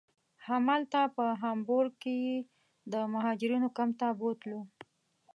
همالته په هامبورګ کې یې د مهاجرینو کمپ ته بوتلو.